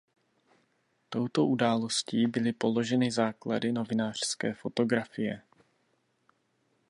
Touto událostí byly položeny základy novinářské fotografie.